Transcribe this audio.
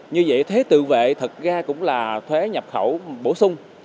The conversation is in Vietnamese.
như vậy thuế tự vệ thật ra cũng là thuế nhập khẩu bổ sung